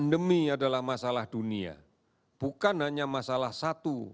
terima kasih informasi dulu